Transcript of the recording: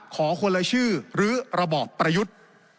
ขอคนละชื่อหรือระบอบประยุทธ์